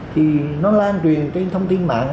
thì nó lan truyền trên thông tin mạng